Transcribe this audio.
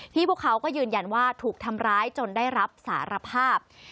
พวกเขาก็ยืนยันว่าถูกทำร้ายจนได้รับสารภาพ